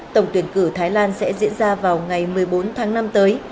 tổng tuyển cử thái lan sẽ diễn ra vào ngày một mươi bốn tháng năm tới